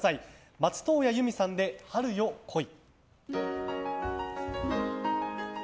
松任谷由実さんで「春よ、来い」。